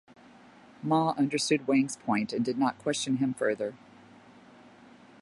Ma understood Wang's point and did not question him further.